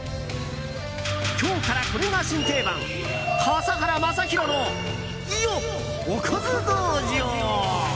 今日からこれが新定番笠原将弘のおかず道場。